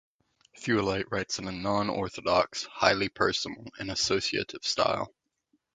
Theweleit writes in a non-orthodox, highly personal and associative style.